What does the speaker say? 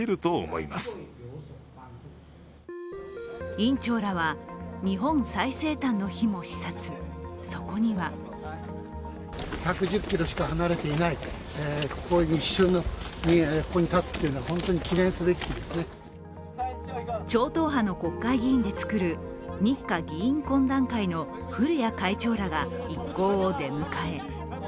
院長らは、日本最西端の碑も視察、そこには超党派の国会議員で作る日華議員懇談会の古屋会長らが一行を出迎え。